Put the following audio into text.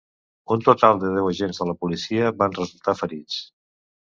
Un total de deu agents de la policia van resultar ferits.